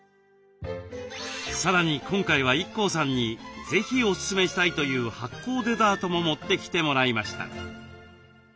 さらに今回はＩＫＫＯさんに是非おすすめしたいという発酵デザートも持ってきてもらいました。